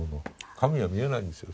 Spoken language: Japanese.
神は見えないんですよ。